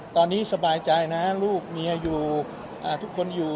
ตอนนี้สบายใจนะลูกเมียอยู่ทุกคนอยู่